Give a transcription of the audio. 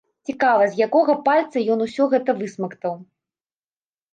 Цікава, з якога пальцу ён усё гэта высмактаў?